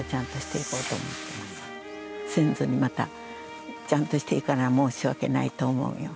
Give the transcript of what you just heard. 先祖にまたちゃんとしていかな申し訳ないと思うんよ。